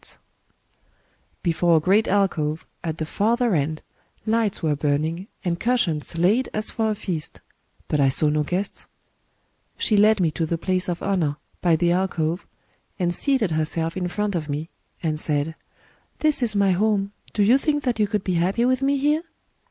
Digitized by Googk THE STORY OF CHUGORO 77 Before a great alcove, at the farther end, lights were burning, and cushions laid as for a feast; but I saw no guests. She led me to the place of honour, by the alcove, and seated herself in front of me, and said: 'This is my home: do you think that you could be happy with me here